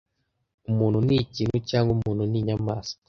umuntu n’ikintu cyangwa umuntu n’inyamaswa: